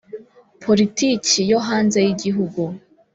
Poritiki yo hanze y igihugu